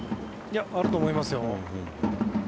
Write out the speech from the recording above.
あると思いますよ。